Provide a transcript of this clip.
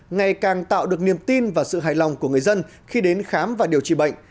ngày càng tạo được niềm tin và sự hài lòng của người dân khi đến khám và điều trị bệnh